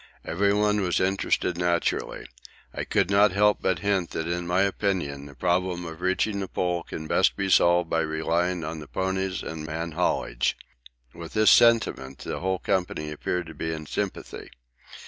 Everyone was interested naturally. I could not but hint that in my opinion the problem of reaching the Pole can best be solved by relying on the ponies and man haulage. With this sentiment the whole company appeared to be in sympathy.